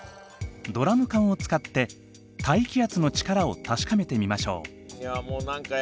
ドラム缶を使って大気圧の力を確かめてみましょう。